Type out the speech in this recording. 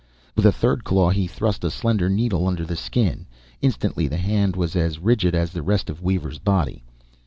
With a third claw he thrust a slender needle under the skin. Instantly the hand was as rigid as the rest of Weaver's body.